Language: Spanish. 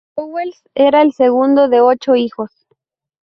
Howells era el segundo de ocho hijos.